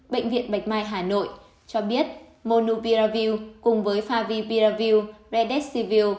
bệnh viện bạch mai hà nội cho biết monupiravir cùng với favipiravir redexivir